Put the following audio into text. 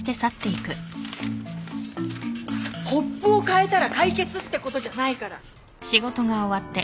ポップをかえたら解決ってことじゃないから。